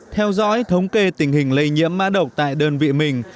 theo dõi thống kê tình hình lây nhiễm mã độc tại đơn vị mình